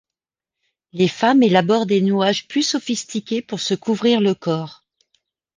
Les femmes élaborent des nouages plus sophistiqués pour se couvrir le corps.